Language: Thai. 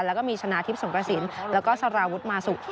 แล้วก็มีชนะทิพย์สงกระสินแล้วก็สารวุฒิมาสุก